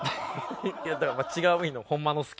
だから違う意味のホンマの「好き」。